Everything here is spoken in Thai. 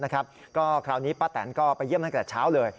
ก็คราวนี้ป้าแตนก็ไปเยี่ยมตั้งแต่เช้าเลย